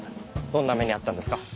どんな目に遭ったんですか？